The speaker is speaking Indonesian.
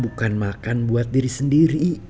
bukan makan buat diri sendiri